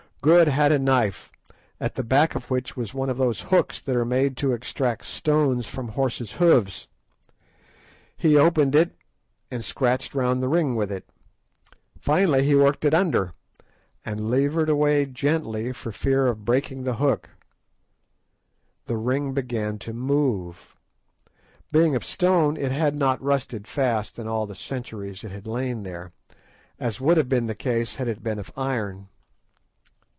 Good had a knife, at the back of which was one of those hooks that are made to extract stones from horses' hoofs. He opened it, and scratched round the ring with it. Finally he worked it under, and levered away gently for fear of breaking the hook. The ring began to move. Being of stone it had not rusted fast in all the centuries it had lain there, as would have been the case had it been of iron.